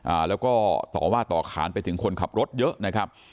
อ่าแล้วก็ต่อว่าต่อขานไปถึงคนขับรถเยอะนะครับ